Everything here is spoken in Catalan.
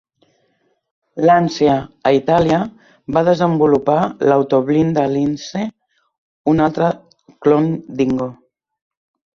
Lancia, a Itàlia, va desenvolupar l'Autoblinda Lince, un altre clon Dingo.